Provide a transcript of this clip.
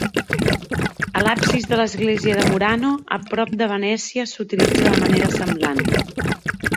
A l'absis de l'església de Murano, a prop de Venècia, s'utilitza de manera semblant.